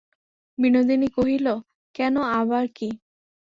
বিনোদিনী কহিল, কেন আবার কী।